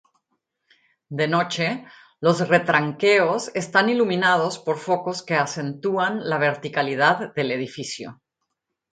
De noche, los retranqueos están iluminados por focos que acentúan la verticalidad del edificio.